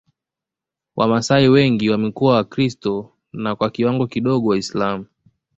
Wamasai wengi wamekuwa Wakristo na kwa kiwango kidogo Waislamu